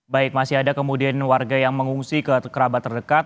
baik masih ada kemudian warga yang mengungsi ke kerabat terdekat